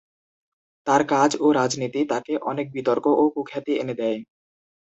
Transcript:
তাঁর কাজ ও রাজনীতি তাঁকে অনেক বিতর্ক ও কুখ্যাতি এনে দেয়।